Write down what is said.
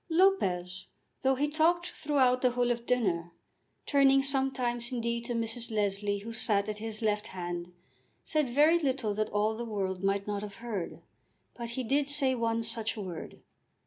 Lopez, though he talked throughout the whole of dinner, turning sometimes indeed to Mrs. Leslie who sat at his left hand, said very little that all the world might not have heard. But he did say one such word.